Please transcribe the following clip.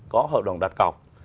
có hợp đồng đặt cọc